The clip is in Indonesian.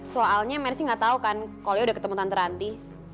soalnya meris gak tau kan kalau dia udah ketemu tante ranti